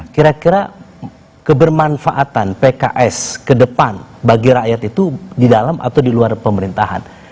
kira kira kebermanfaatan pks ke depan bagi rakyat itu di dalam atau di luar pemerintahan